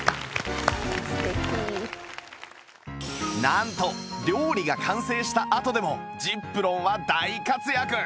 なんと料理が完成したあとでも ｚｉｐｒｏｎ は大活躍